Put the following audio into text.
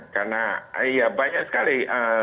karena ya banyak sekali